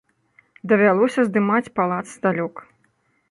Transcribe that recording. Давялося здымаць палац здалёк.